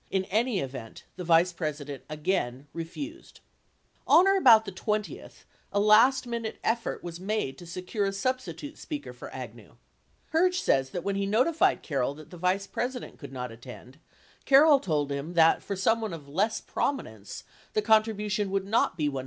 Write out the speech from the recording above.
In any event, the Vice President again refused. On or about the 20th, a last minute effort was made to secure a substitute speaker for Agnew. Herge says that when he notified Carroll that the Vice President could not attend, Carroll told him that for someone of less prominence the contribution would not be $100,000 but would be smaller — from $35,000 to $75,000.